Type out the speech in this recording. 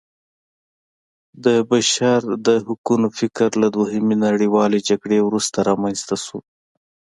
د بشر د حقونو فکر له دویمې نړیوالې جګړې وروسته رامنځته شو.